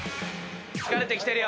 疲れてきてるよ。